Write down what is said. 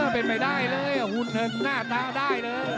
เป็นไปได้เลยหุ่นเทิงหน้าตาได้เลย